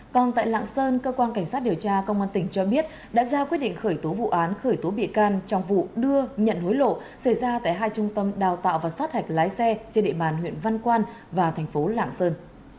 còn tại lạng sơn cơ quan cảnh sát điều tra công an tỉnh cho biết đã ra quyết định khởi tố vụ án khởi tố bị can trong vụ đưa nhận hối lộ xảy ra tại hai trung tâm đào tạo và sát hạch lái xe trên địa bàn huyện văn quan và thành phố lạng sơn